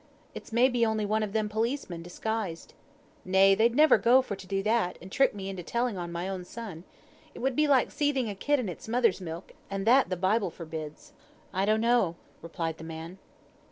"It's may be only one of them policemen, disguised." "Nay; they'd never go for to do that, and trick me into telling on my own son. It would be like seething a kid in its mother's milk; and that th' Bible forbids." "I don't know," replied the man.